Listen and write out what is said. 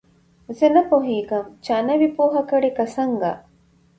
زه نه پوهیږم چا نه وې پوه کړې که څنګه.